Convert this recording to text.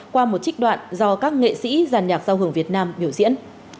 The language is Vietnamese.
qua một trích đoạn do các nghệ sĩ giàn nhạc giao hưởng việt nam biểu diễn